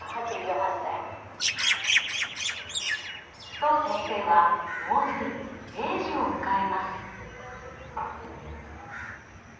須藤先生はもうすぐ米寿を迎えます。